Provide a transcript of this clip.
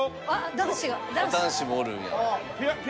男子もおるんや。